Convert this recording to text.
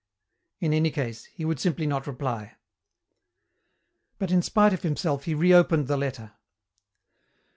In any case, he would simply not reply. But in spite of himself he reopened the letter.